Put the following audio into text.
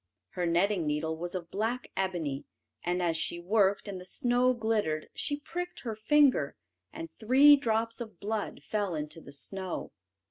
Her netting needle was of black ebony, and as she worked, and the snow glittered, she pricked her finger, and three drops of blood fell into the snow.